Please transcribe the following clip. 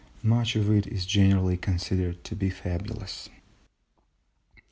Much of it is generally considered to be fabulous.